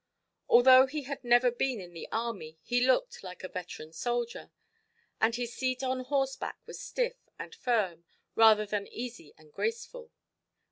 Although he had never been in the army, he looked like a veteran soldier; and his seat on horseback was stiff and firm, rather than easy and graceful.